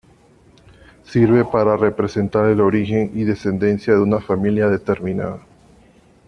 Sirve para representar el origen y descendencia de una familia determinada.